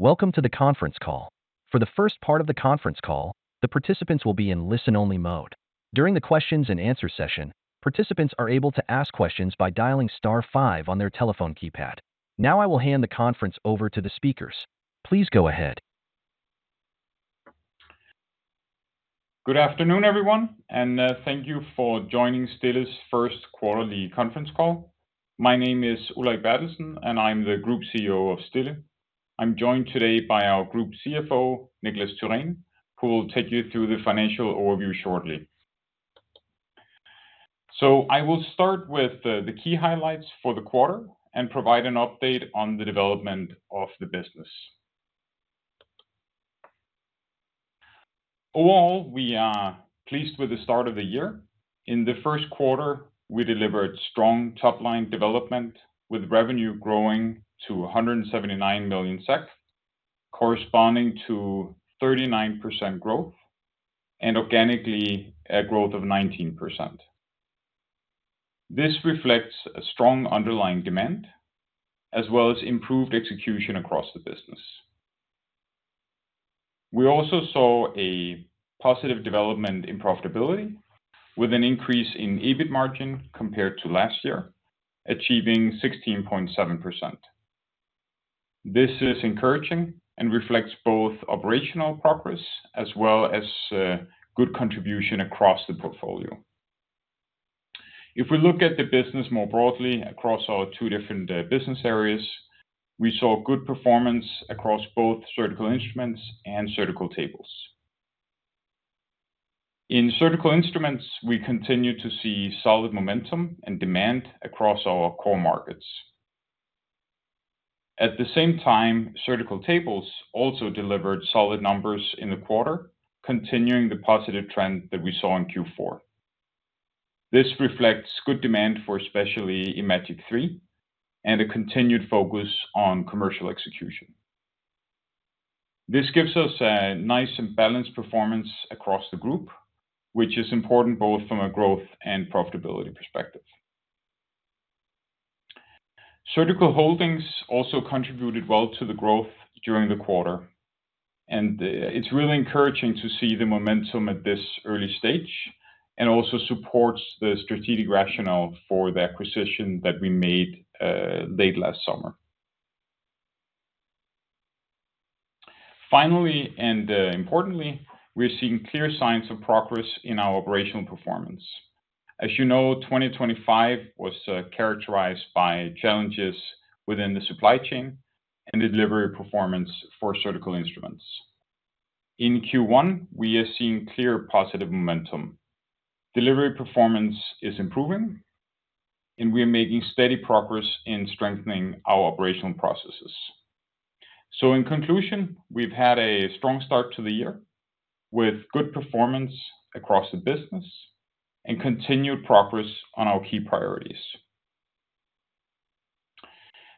Welcome to the conference call. For the first part of the conference call, the participants will be in listen-only mode. During the questions and answer session, participants are able to ask questions by dialing star five on their telephone keypad. Now I will hand the conference over to the speakers. Please go ahead. Good afternoon, everyone, and thank you for joining Stille's first quarterly conference call. My name is Ulrik Berthelsen, and I'm the Group CEO of Stille. I'm joined today by our Group CFO, Niklas Tyrén, who will take you through the financial overview shortly. I will start with the key highlights for the quarter and provide an update on the development of the business. Overall, we are pleased with the start of the year. In the first quarter, we delivered strong top-line development with revenue growing to 179 million SEK, corresponding to 39% growth, and organically, a growth of 19%. This reflects a strong underlying demand as well as improved execution across the business. We also saw a positive development in profitability with an increase in EBIT margin compared to last year, achieving 16.7%. This is encouraging and reflects both operational progress as well as good contribution across the portfolio. If we look at the business more broadly across our two different business areas, we saw good performance across both surgical instruments and surgical tables. In surgical instruments, we continue to see solid momentum and demand across our core markets. At the same time, surgical tables also delivered solid numbers in the quarter, continuing the positive trend that we saw in Q4. This reflects good demand for especially imagiQ3 and a continued focus on commercial execution. This gives us a nice and balanced performance across the group, which is important both from a growth and profitability perspective. Surgical Holdings also contributed well to the growth during the quarter, and it's really encouraging to see the momentum at this early stage and also supports the strategic rationale for the acquisition that we made late last summer. Finally, and importantly, we are seeing clear signs of progress in our operational performance. As you know, 2025 was characterized by challenges within the supply chain and delivery performance for surgical instruments. In Q1, we are seeing clear positive momentum. Delivery performance is improving, and we are making steady progress in strengthening our operational processes. In conclusion, we've had a strong start to the year with good performance across the business and continued progress on our key priorities.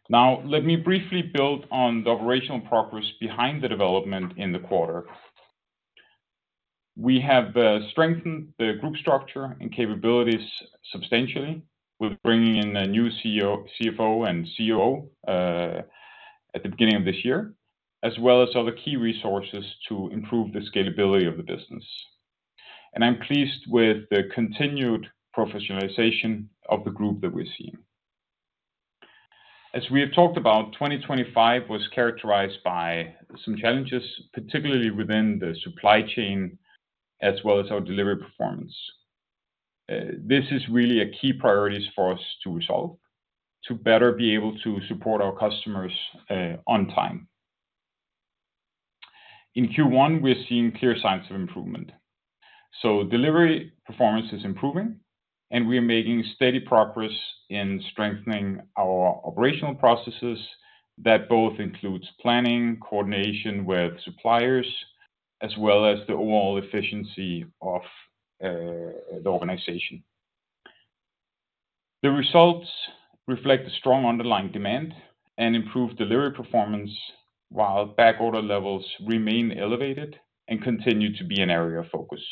Now, let me briefly build on the operational progress behind the development in the quarter. We have strengthened the group structure and capabilities substantially with bringing in a new CFO and COO at the beginning of this year, as well as other key resources to improve the scalability of the business. I'm pleased with the continued professionalization of the group that we're seeing. As we have talked about, 2025 was characterized by some challenges, particularly within the supply chain as well as our delivery performance. This is really a key priority for us to resolve to better be able to support our customers on time. In Q1, we're seeing clear signs of improvement. Delivery performance is improving, and we are making steady progress in strengthening our operational processes. That both includes planning, coordination with suppliers, as well as the overall efficiency of the organization. The results reflect a strong underlying demand and improved delivery performance while backorder levels remain elevated and continue to be an area of focus.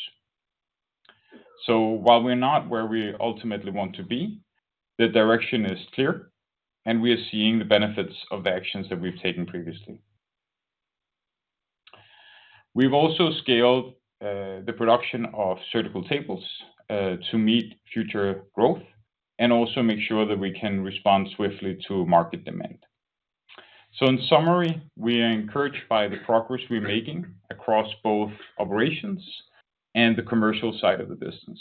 While we're not where we ultimately want to be, the direction is clear, and we are seeing the benefits of the actions that we've taken previously. We've also scaled the production of surgical tables to meet future growth and also make sure that we can respond swiftly to market demand. In summary, we are encouraged by the progress we're making across both operations and the commercial side of the business.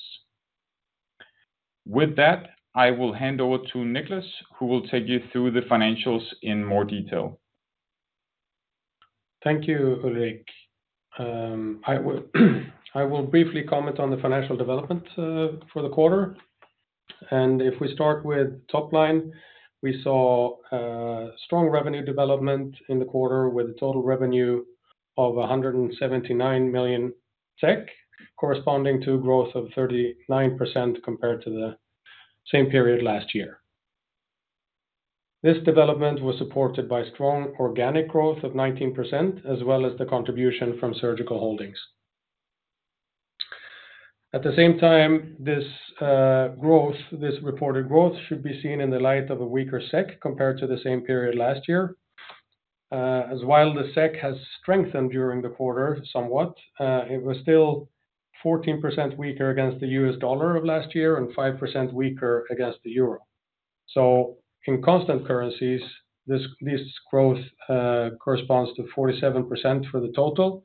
With that, I will hand over to Niklas, who will take you through the financials in more detail. Thank you, Ulrik. I will briefly comment on the financial development for the quarter. If we start with top line, we saw a strong revenue development in the quarter with a total revenue of 179 million SEK, corresponding to growth of 39% compared to the same period last year. This development was supported by strong organic growth of 19%, as well as the contribution from Surgical Holdings. At the same time, this reported growth should be seen in the light of a weaker SEK compared to the same period last year. While the SEK has strengthened during the quarter somewhat, it was still 14% weaker against the U.S. dollar of last year and 5% weaker against the euro. In constant currencies, this growth corresponds to 47% for the total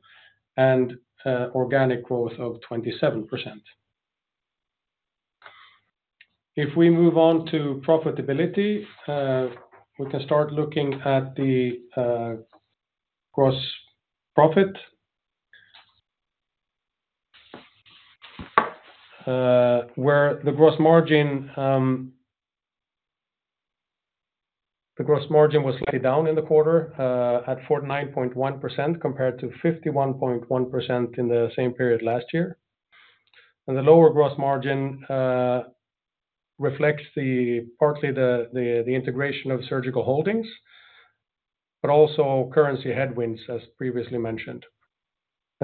and organic growth of 27%. If we move on to profitability, we can start looking at the gross profit, where the gross margin was slightly down in the quarter at 49.1% compared to 51.1% in the same period last year. The lower gross margin reflects partly the integration of Surgical Holdings, but also currency headwinds as previously mentioned.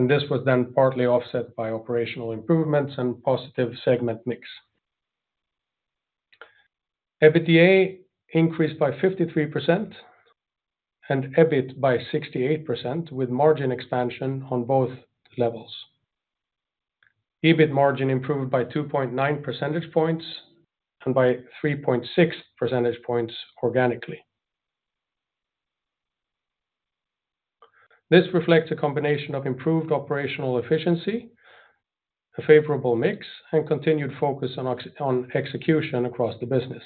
This was then partly offset by operational improvements and positive segment mix. EBITDA increased by 53% and EBIT by 68%, with margin expansion on both levels. EBIT margin improved by 2.9 percentage points and by 3.6 percentage points organically. This reflects a combination of improved operational efficiency, a favorable mix, and continued focus on execution across the business.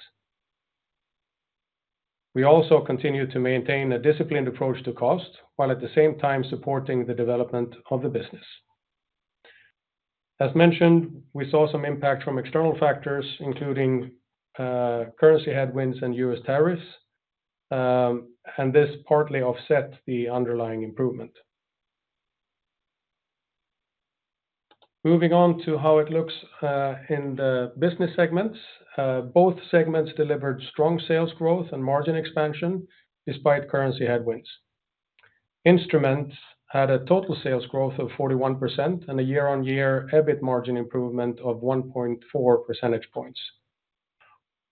We also continue to maintain a disciplined approach to cost, while at the same time supporting the development of the business. As mentioned, we saw some impact from external factors, including currency headwinds and U.S. tariffs, and this partly offset the underlying improvement. Moving on to how it looks in the business segments. Both segments delivered strong sales growth and margin expansion despite currency headwinds. Instruments had a total sales growth of 41% and a year-on-year EBIT margin improvement of 1.4 percentage points.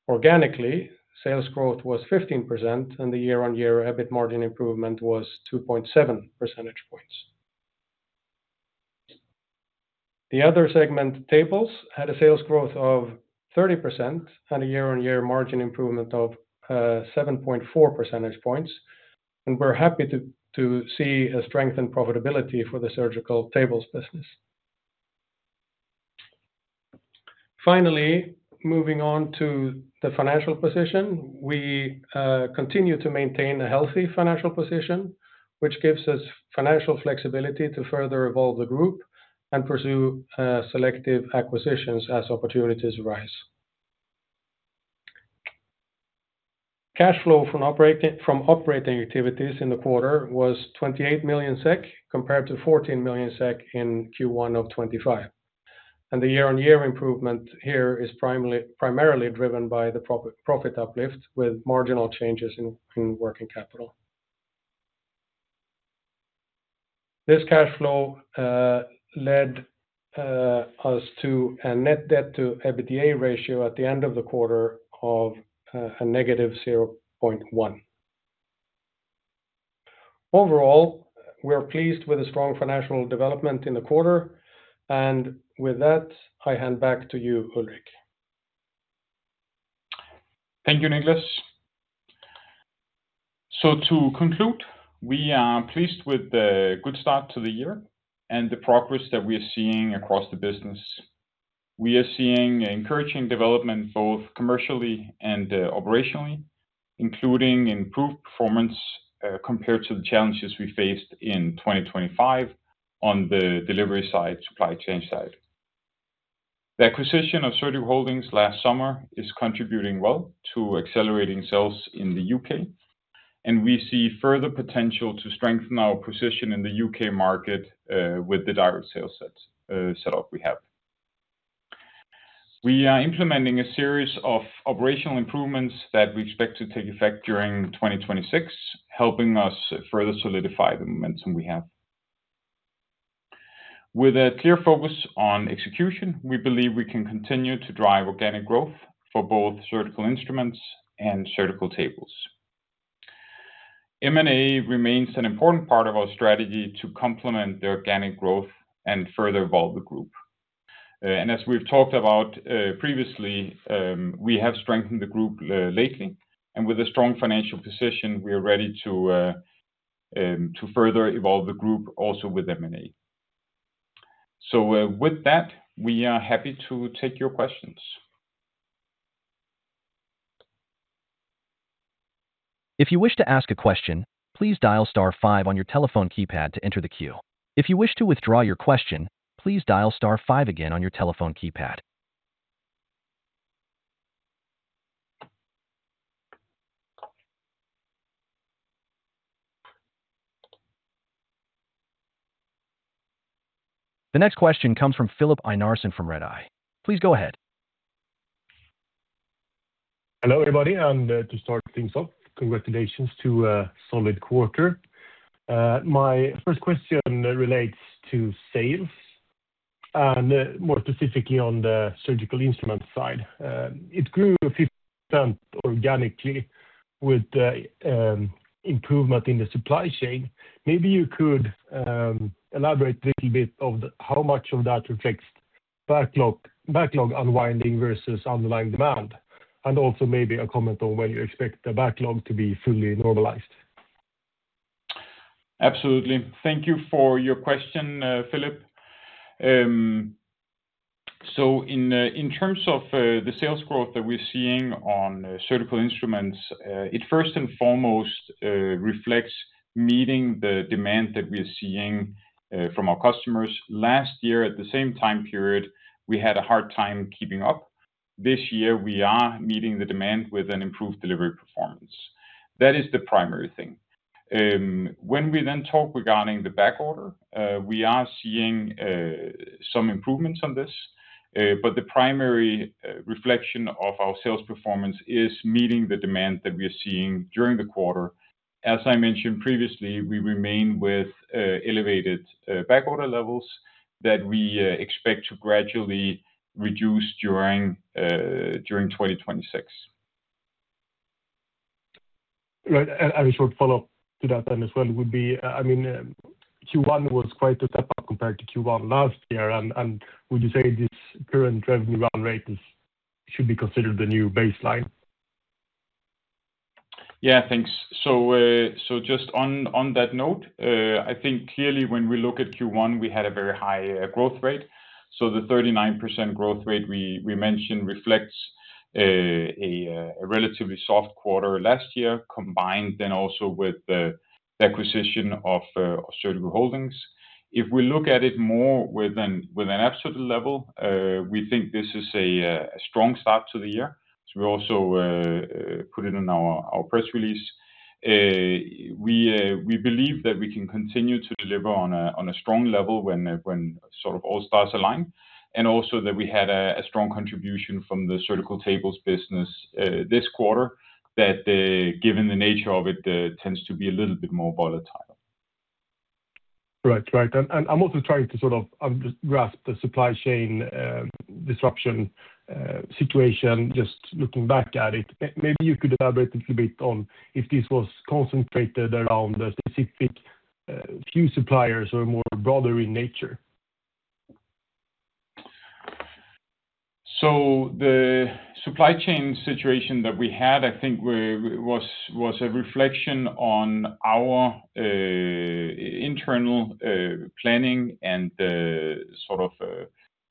Organically, sales growth was 15% and the year-on-year EBIT margin improvement was 2.7 percentage points. The other segment tables had a sales growth of 30% and a year-on-year margin improvement of 7.4 percentage points, and we're happy to see a strength in profitability for the surgical tables business. Finally, moving on to the financial position. We continue to maintain a healthy financial position, which gives us financial flexibility to further evolve the group and pursue selective acquisitions as opportunities arise. Cash flow from operating activities in the quarter was 28 million SEK, compared to 14 million SEK in Q1 of 2025. The year-on-year improvement here is primarily driven by the profit uplift with marginal changes in working capital. This cash flow led us to a net debt to EBITDA ratio at the end of the quarter of -0.1. Overall, we are pleased with the strong financial development in the quarter. With that, I hand back to you, Ulrik. Thank you, Niklas. To conclude, we are pleased with the good start to the year and the progress that we are seeing across the business. We are seeing encouraging development both commercially and operationally, including improved performance compared to the challenges we faced in 2025 on the delivery side, supply chain side. The acquisition of Surgical Holdings last summer is contributing well to accelerating sales in the U.K., and we see further potential to strengthen our position in the U.K. market with the direct sales setup we have. We are implementing a series of operational improvements that we expect to take effect during 2026, helping us further solidify the momentum we have. With a clear focus on execution, we believe we can continue to drive organic growth for both surgical instruments and surgical tables. M&A remains an important part of our strategy to complement the organic growth and further evolve the group. As we've talked about previously, we have strengthened the group lately, and with a strong financial position, we are ready to further evolve the group also with M&A. With that, we are happy to take your questions. If you wish to ask a question, please dial star five on your telephone keypad to enter the queue. If you wish to withdraw your question, please dial star five again on your telephone keypad. The next question comes from Filip Einarsson from Redeye. Please go ahead. Hello, everybody. To start things off, congratulations to a solid quarter. My first question relates to sales, and more specifically on the surgical instrument side. It grew 15% organically with the improvement in the supply chain. Maybe you could elaborate a little bit of how much of that reflects backlog unwinding versus underlying demand, and also maybe a comment on when you expect the backlog to be fully normalized. Absolutely. Thank you for your question, Filip. In terms of the sales growth that we're seeing on surgical instruments, it first and foremost reflects meeting the demand that we're seeing from our customers. Last year, at the same time period, we had a hard time keeping up. This year, we are meeting the demand with an improved delivery performance. That is the primary thing. When we then talk regarding the backorder, we are seeing some improvements on this. The primary reflection of our sales performance is meeting the demand that we are seeing during the quarter. As I mentioned previously, we remain with elevated backorder levels that we expect to gradually reduce during 2026. Right. A short follow-up to that then as well would be, Q1 was quite a step up compared to Q1 last year. Would you say this current revenue run rate should be considered the new baseline? Yeah, thanks. Just on that note, I think clearly when we look at Q1, we had a very high growth rate. The 39% growth rate we mentioned reflects a relatively soft quarter last year, combined then also with the acquisition of Surgical Holdings. If we look at it more with an absolute level, we think this is a strong start to the year, as we also put it in our press release. We believe that we can continue to deliver on a strong level when all stars align, and also that we had a strong contribution from the surgical tables business this quarter that, given the nature of it, tends to be a little bit more volatile. Right. I'm also trying to grasp the supply chain disruption situation, just looking back at it. Maybe you could elaborate a little bit on if this was concentrated around the specific few suppliers or more broader in nature. The supply chain situation that we had, I think, was a reflection on our internal planning and the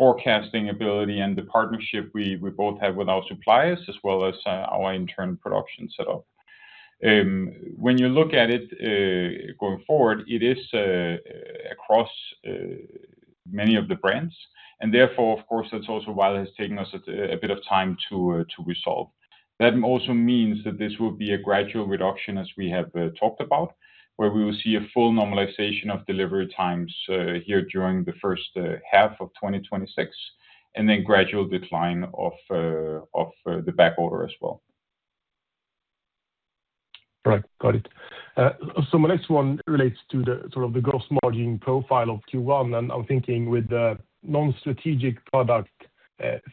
forecasting ability and the partnership we both have with our suppliers, as well as our internal production set up. When you look at it going forward, it is across many of the brands, and therefore, of course, that's also why it has taken us a bit of time to resolve. That also means that this will be a gradual reduction, as we have talked about, where we will see a full normalization of delivery times here during the first half of 2026, and then gradual decline of the backorder as well. Right. Got it. My next one relates to the gross margin profile of Q1, and I'm thinking with the non-strategic product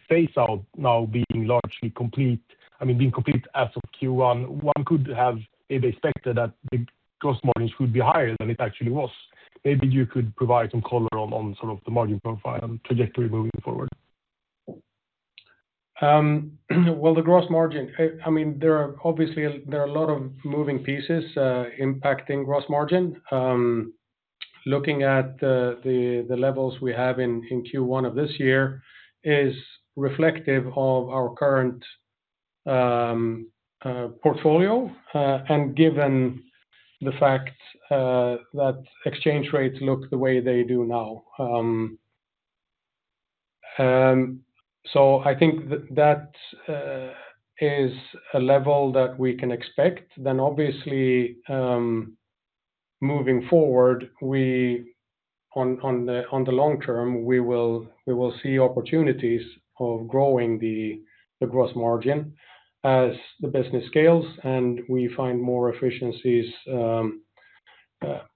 phase-out now being complete as of Q1, one could have maybe expected that the gross margins would be higher than it actually was. Maybe you could provide some color on the margin profile and trajectory moving forward. Well, the gross margin, obviously there are a lot of moving pieces impacting gross margin. Looking at the levels we have in Q1 of this year is reflective of our current portfolio, and given the fact that exchange rates look the way they do now. I think that is a level that we can expect. Obviously, moving forward, on the long term, we will see opportunities of growing the gross margin as the business scales and we find more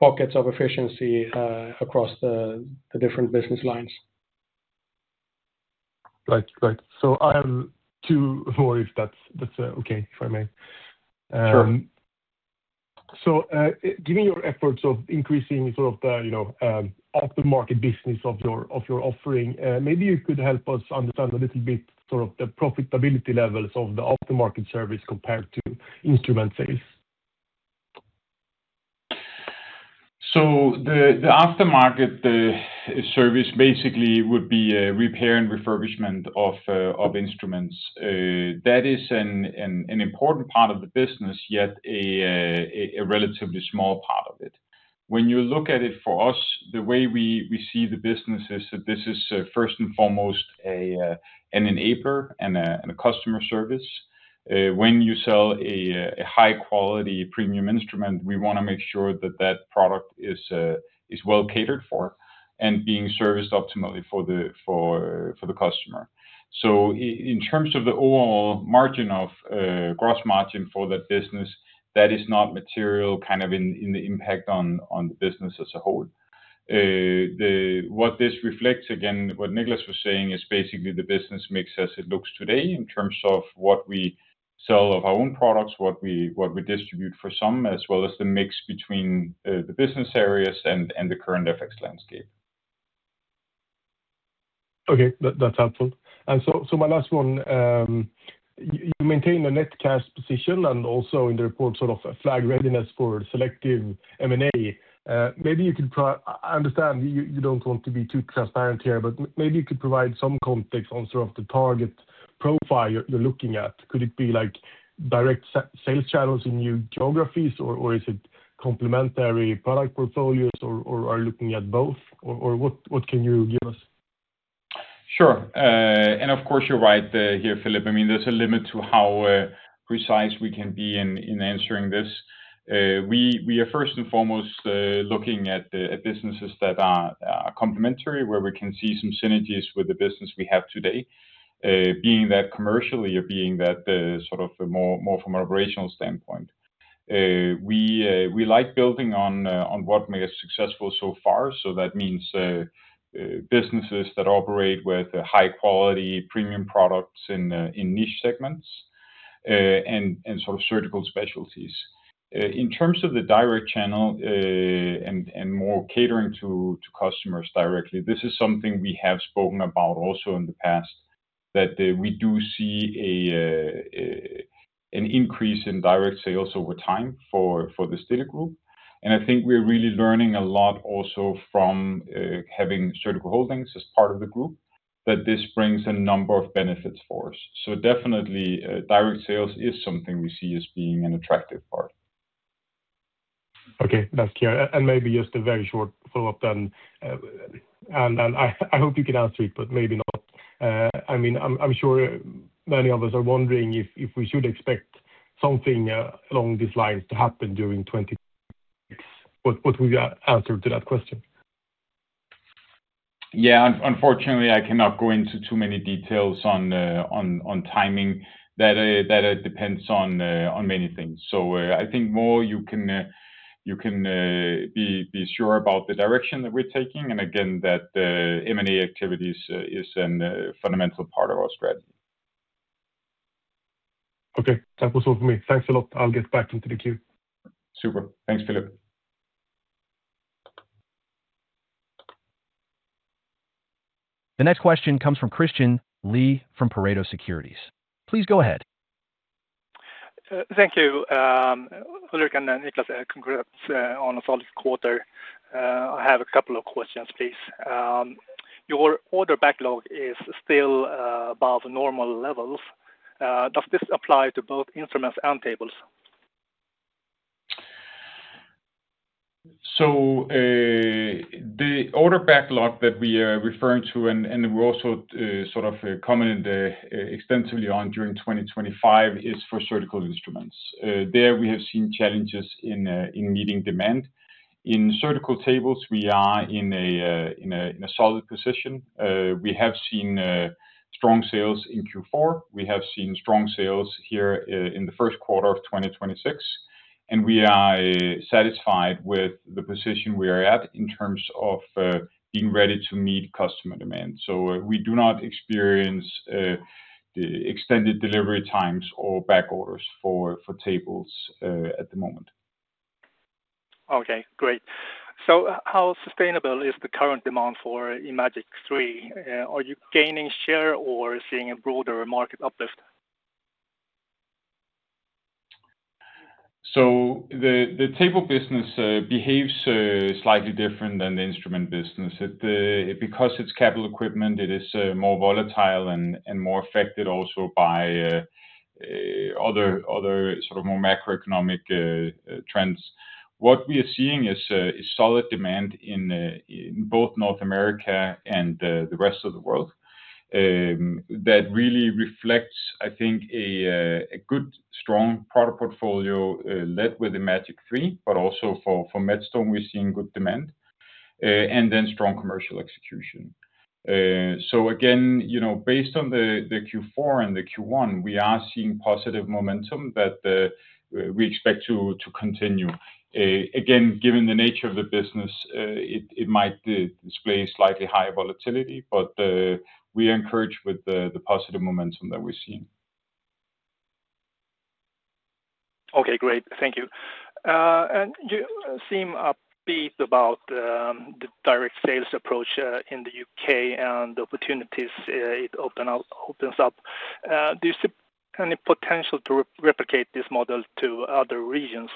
pockets of efficiency across the different business lines. Right. I have two more, if that's okay, if I may. Sure. Given your efforts of increasing the after-market business of your offering, maybe you could help us understand a little bit the profitability levels of the after-market service compared to instrument sales? The after-market service basically would be a repair and refurbishment of instruments. That is an important part of the business, yet a relatively small part of it. When you look at it for us, the way we see the business is that this is first and foremost an enabler and a customer service. When you sell a high-quality premium instrument, we want to make sure that product is well catered for and being serviced optimally for the customer. In terms of the overall gross margin for that business, that is not material in the impact on the business as a whole. What this reflects, again, what Niklas was saying, is basically the business mix as it looks today in terms of what we sell of our own products, what we distribute for some, as well as the mix between the business areas and the current FX landscape. Okay. That's helpful. My last one. You maintain a net cash position and also in the report flagged readiness for selective M&A. I understand you don't want to be too transparent here, but maybe you could provide some context on the target profile you're looking at. Could it be direct sales channels in new geographies, or is it complementary product portfolios, or are you looking at both, or what can you give us? Sure. Of course, you're right here, Filip. There's a limit to how precise we can be in answering this. We are first and foremost, looking at businesses that are complementary, where we can see some synergies with the business we have today, being that commercially or being that more from an operational standpoint. We like building on what made us successful so far. That means businesses that operate with high-quality premium products in niche segments and surgical specialties. In terms of the direct channel and more catering to customers directly, this is something we have spoken about also in the past, that we do see an increase in direct sales over time for the Stille group. I think we're really learning a lot also from having Surgical Holdings as part of the group, that this brings a number of benefits for us. Definitely, direct sales is something we see as being an attractive part. Okay, that's clear. Maybe just a very short follow-up then, and I hope you can answer it, but maybe not. I'm sure many of us are wondering if we should expect something along these lines to happen during 2026. What would you answer to that question? Yeah. Unfortunately, I cannot go into too many details on timing. That depends on many things. I think the more you can be sure about the direction that we're taking, and again, that M&A activities is a fundamental part of our strategy. Okay. That was all for me. Thanks a lot. I'll get back into the queue. Super. Thanks, Filip. The next question comes from Christian Lee from Pareto Securities. Please go ahead. Thank you, Ulrik and Niklas. Congrats on a solid quarter. I have a couple of questions, please. Your order backlog is still above normal levels. Does this apply to both instruments and tables? The order backlog that we are referring to, and we also commented extensively on during 2025, is for surgical instruments. There we have seen challenges in meeting demand. In surgical tables, we are in a solid position. We have seen strong sales in Q4. We have seen strong sales here in the first quarter of 2026, and we are satisfied with the position we are at in terms of being ready to meet customer demand. We do not experience extended delivery times or back orders for tables at the moment. Okay, great. How sustainable is the current demand for imagiQ3? Are you gaining share or seeing a broader market uplift? The table business behaves slightly different than the instrument business. Because it's capital equipment, it is more volatile and more affected also by other more macroeconomic trends. What we are seeing is solid demand in both North America and the rest of the world. That really reflects, I think, a good, strong product portfolio led with imagiQ3, but also for Medstone, we're seeing good demand and then strong commercial execution. Again, based on the Q4 and the Q1, we are seeing positive momentum that we expect to continue. Again, given the nature of the business, it might display slightly higher volatility, but we are encouraged with the positive momentum that we're seeing. Okay, great. Thank you. You seem upbeat about the direct sales approach in the U.K. and the opportunities it opens up. Do you see any potential to replicate this model to other regions?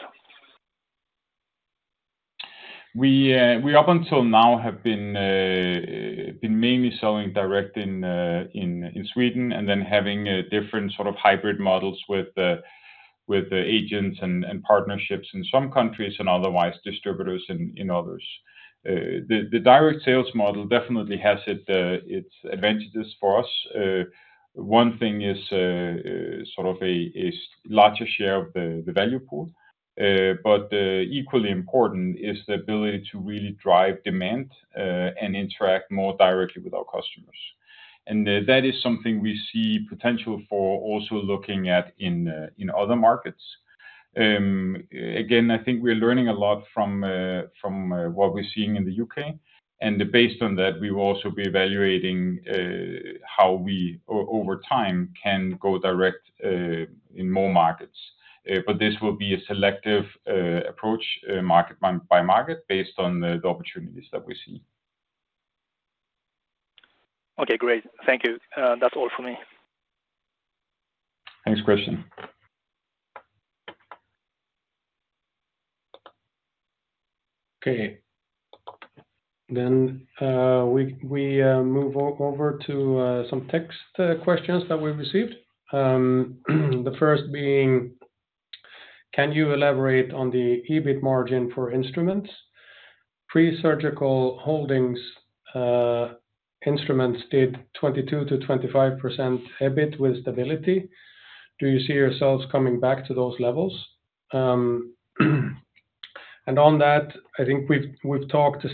We, up until now, have been mainly selling direct in Sweden and then having different sort of hybrid models with agents and partnerships in some countries and otherwise distributors in others. The direct sales model definitely has its advantages for us. One thing is sort of a larger share of the value pool. Equally important is the ability to really drive demand and interact more directly with our customers. That is something we see potential for also looking at in other markets. Again, I think we're learning a lot from what we're seeing in the U.K. Based on that, we will also be evaluating how we, over time, can go direct in more markets. This will be a selective approach, market by market, based on the opportunities that we see. Okay, great. Thank you. That's all for me. Thanks, Christian. Okay. We move over to some text questions that we received. The first being: Can you elaborate on the EBIT margin for instruments? Pre-Surgical Holdings instruments did 22%-25% EBIT with stability. Do you see yourselves coming back to those levels? On that, I think we've talked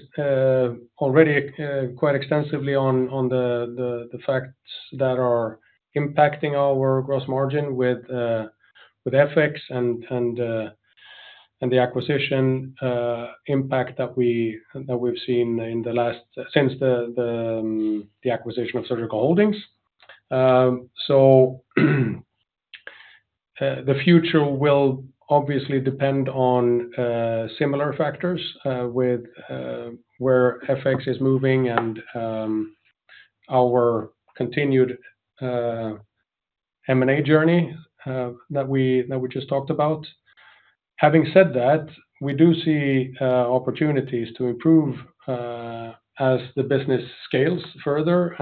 already quite extensively on the facts that are impacting our gross margin with FX and the acquisition impact that we've seen since the acquisition of Surgical Holdings. The future will obviously depend on similar factors, where FX is moving and our continued M&A journey that we just talked about. Having said that, we do see opportunities to improve as the business scales further.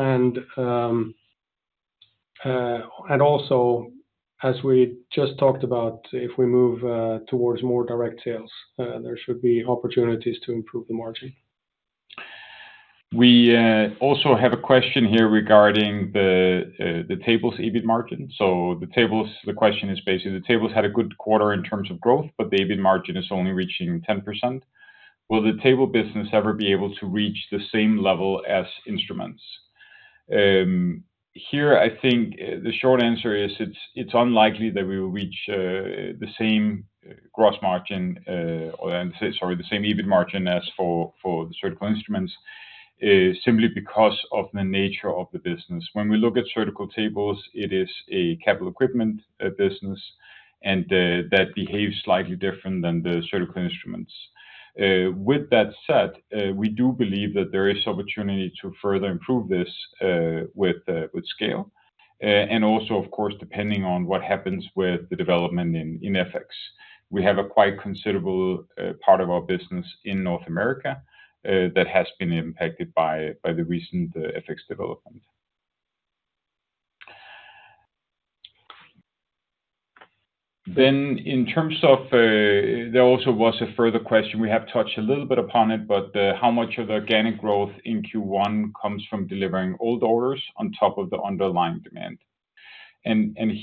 Also as we just talked about, if we move towards more direct sales, there should be opportunities to improve the margin. We also have a question here regarding the tables' EBIT margin. The question is basically, the tables had a good quarter in terms of growth, but the EBIT margin is only reaching 10%. Will the table business ever be able to reach the same level as instruments? Here, I think the short answer is it's unlikely that we will reach the same gross margin, sorry, the same EBIT margin as for the surgical instruments, simply because of the nature of the business. When we look at surgical tables, it is a capital equipment business, and that behaves slightly different than the surgical instruments. With that said, we do believe that there is opportunity to further improve this with scale, and also of course, depending on what happens with the development in FX. We have a quite considerable part of our business in North America that has been impacted by the recent FX development. There also was a further question, we have touched a little bit upon it, but how much of the organic growth in Q1 comes from delivering old orders on top of the underlying demand?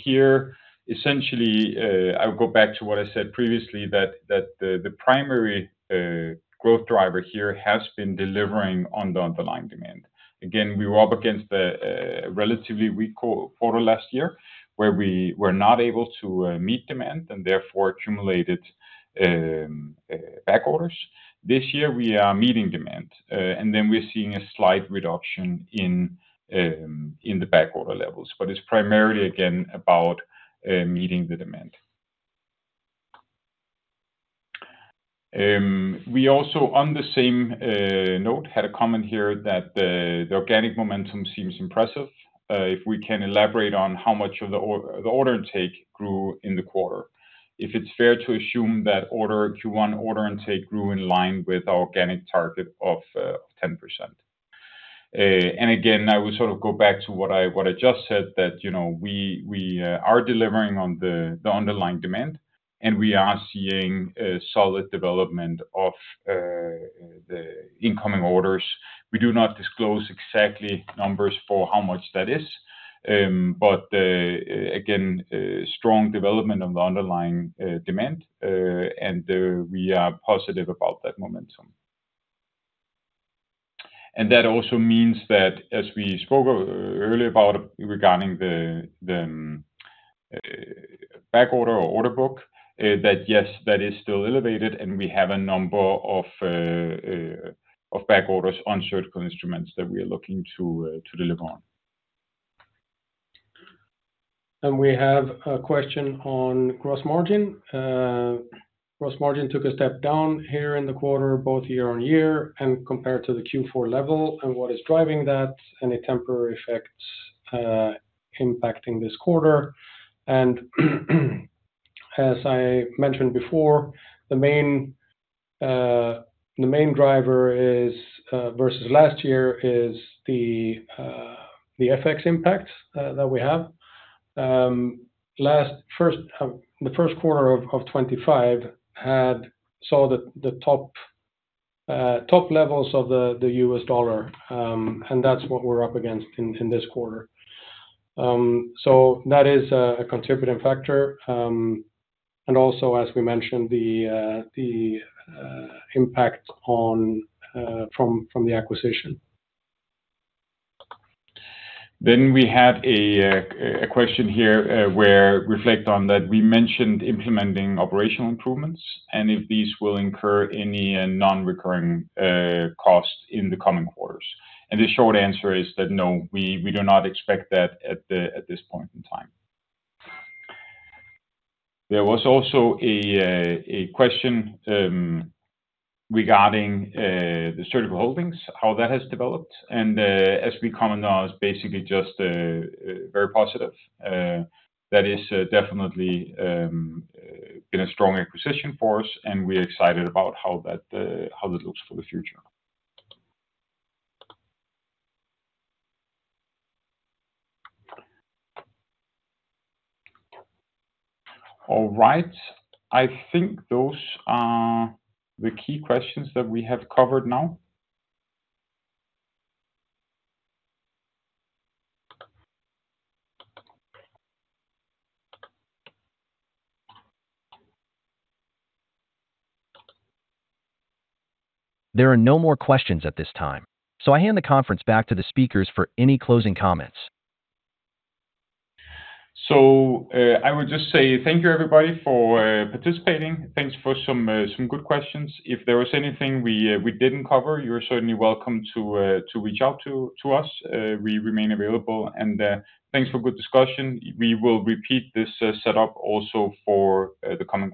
Here, essentially, I would go back to what I said previously, that the primary growth driver here has been delivering on the underlying demand. Again, we were up against a relatively weak quarter last year, where we were not able to meet demand and therefore accumulated back orders. This year we are meeting demand, and then we're seeing a slight reduction in the back order levels. It's primarily, again, about meeting the demand. We also, on the same note, had a comment here that the organic momentum seems impressive. If we can elaborate on how much of the order intake grew in the quarter. If it's fair to assume that Q1 order intake grew in line with our organic target of 10%. Again, I would sort of go back to what I just said, that we are delivering on the underlying demand, and we are seeing solid development of the incoming orders. We do not disclose exact numbers for how much that is. Again, strong development of the underlying demand, and we are positive about that momentum. That also means that as we spoke earlier about regarding the back order or order book, that yes, that is still elevated and we have a number of back orders on surgical instruments that we are looking to deliver on. We have a question on gross margin. Gross margin took a step down here in the quarter, both year on year and compared to the Q4 level, and what is driving that, any temporary effects impacting this quarter? As I mentioned before, the main driver versus last year is the FX impact that we have. The first quarter of 2025 saw the top levels of the U.S. dollar, and that's what we're up against in this quarter. That is a contributing factor, and also as we mentioned, the impact from the acquisition. We have a question here where we reflect on that we mentioned implementing operational improvements and if these will incur any non-recurring costs in the coming quarters. The short answer is that no, we do not expect that at this point in time. There was also a question regarding Surgical Holdings, how that has developed. As we commented on, it is basically just very positive. That has definitely been a strong acquisition for us, and we're excited about how it looks for the future. All right. I think those are the key questions that we have covered now. There are no more questions at this time, so I hand the conference back to the speakers for any closing comments. I would just say thank you everybody for participating. Thanks for some good questions. If there was anything we didn't cover, you're certainly welcome to reach out to us. We remain available and thanks for good discussion. We will repeat this setup also for the coming.